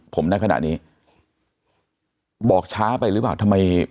ผมในขณะนี้บอกช้าไปหรือเปล่าทำไม